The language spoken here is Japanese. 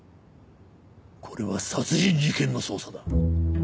これは殺人事件の捜査だ。